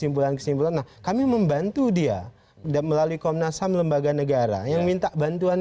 penangkapan harus dijelaskan alasan penangkapan